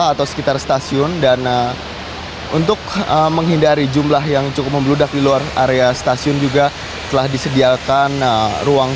atau sekitar stasiun pasar senen